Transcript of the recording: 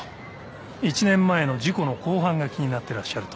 １年前の事故の公判が気になってらっしゃると。